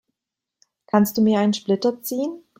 Kannst du mir einen Splitter ziehen?